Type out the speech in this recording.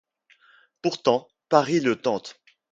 Pourtant, Paris le tente.